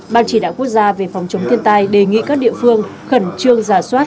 ban chỉ đạo quốc gia về phòng chống thiên tai đề nghị các địa phương khẩn trương giả soát